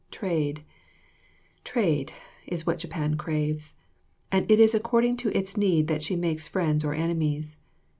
Trade trade is what Japan craves, and it is according to its need that she makes friends or enemies.